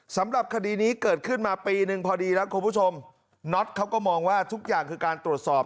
สำหรับคดีนี้เกิดขึ้นมาปีนึงพอดีแล้วคุณผู้ชมน็อตเขาก็มองว่าทุกอย่างคือการตรวจสอบ